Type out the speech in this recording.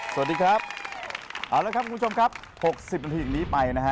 สวัสดีครับเอาละครับคุณผู้ชมครับ๖๐นาทีอย่างนี้ไปนะฮะ